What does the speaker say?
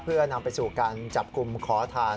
เพื่อนำไปสู่การจับกลุ่มขอทาน